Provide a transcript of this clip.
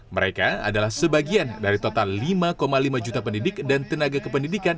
mereka adalah sebagian dari total lima lima juta pendidik dan tenaga kependidikan